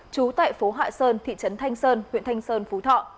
trú tại phố hạ sơn thị trấn thanh sơn huyện thanh sơn phú thọ